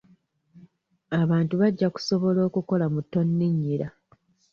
Abantu bajja kusobola okukola mu ttonninnyira.